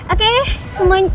oke semuanya ready